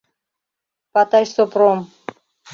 ПАТАЙ СОПРОМ